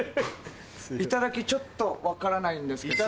「いただき」ちょっと分からないんですけど。